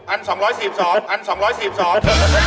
อัน๒๔๐สองอัน๒๔๐สอง